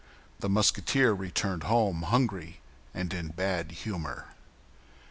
The Musketeer returned home hungry and in bad humor.